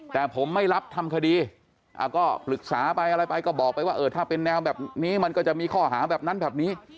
แต่ผมไม่รับทำคดีก็ปรึกษาไปอะไรไปก็บอกไปว่าเออถ้าเป็นแนวแบบนี้มันก็จะมีข้อหาแบบนั้นแบบนี้